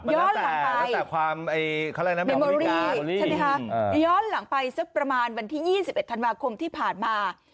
ตั้งแต่ความเมมอรี่ใช่ไหมคะย้อนหลังไปสักประมาณวันที่๒๑ธันวาคมที่ผ่านมา